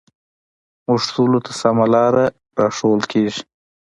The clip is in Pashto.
موږ ټولو ته سمه لاره راښوول کېږي